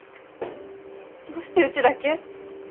どうしてうちだけ？